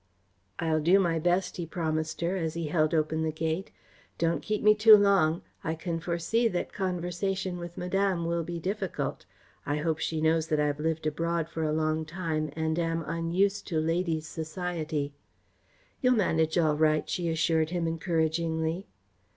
"I'll do my best," he promised her, as he held open the gate. "Don't keep me too long. I can foresee that conversation with Madame will be difficult. I hope she knows that I have lived abroad for a long time and am unused to ladies' society." "You'll manage all right," she assured him encouragingly.